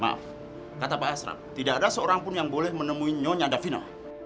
maaf kata pak hasrat tidak ada seorang pun yang boleh menemui nyonya davino